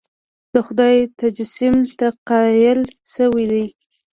د خدای تجسیم ته قایل شوي دي.